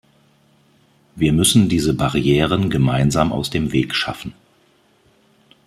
Wir müssen diese Barrieren gemeinsam aus dem Weg schaffen.